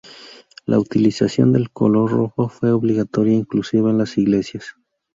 La utilización del color rojo fue obligatoria inclusive en las Iglesias.